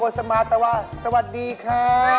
สวัสดีค่ะ